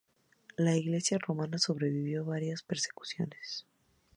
La iglesia romana sobrevivió varias persecuciones.